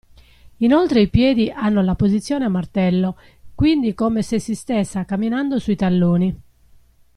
Inoltre i piedi hanno la posizione a martello, quindi come se si stessa camminando sui talloni.